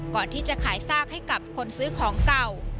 ก่อนที่จะขายซากให้กับคนซื้อของเก่า